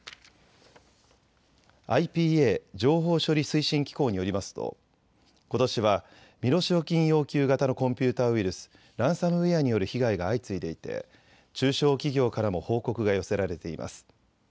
ＩＰＡ・情報処理推進機構によりますとことしは身代金要求型のコンピューターウイルス、ランサムウエアによる被害が相次いでいて中小企業からも報告が寄せられています。